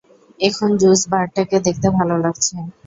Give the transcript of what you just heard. এখন, জুস বারটাকে দেখতে ভালো লাগছে।